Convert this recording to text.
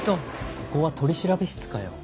ここは取調室かよ。